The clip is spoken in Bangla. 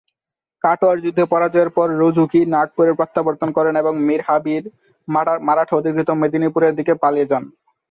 কাটোয়ার যুদ্ধে পরাজয়ের পর রঘুজী নাগপুরে প্রত্যাবর্তন করেন এবং মীর হাবিব মারাঠা-অধিকৃত মেদিনীপুরের দিকে পালিয়ে যান।